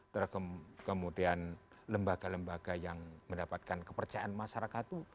terkemudian lembaga lembaga yang mendapatkan kepercayaan masyarakat tuh